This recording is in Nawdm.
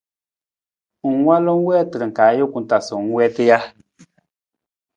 Ng walu na na wiitar ka ajuku taa sa ng wiita ja?